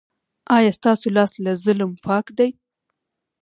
ایا ستاسو لاس له ظلم پاک دی؟